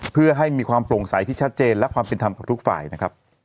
เพื่อให้มีความโปร่งใสที่ชัดเจนและความเป็นธรรมกับทุกฝ่ายนะครับ